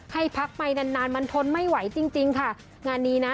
ให้พักไปนานนานมันทนไม่ไหวจริงจริงค่ะงานนี้นะ